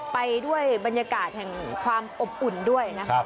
ไปด้วยบรรยากาศแห่งความอบอุ่นด้วยนะครับ